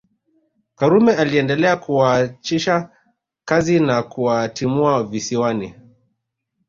Karume aliendelea kuwaachisha kazi na kuwatimua Visiwani